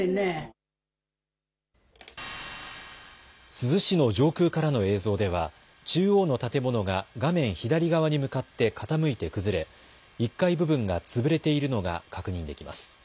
珠洲市の上空からの映像では中央の建物が画面左側に向かって傾いて崩れ、１階部分が潰れているのが確認できます。